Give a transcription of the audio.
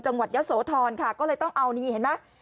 จังหวัดยะโสธรค่ะก็เลยต้องเอานี่เห็นไหม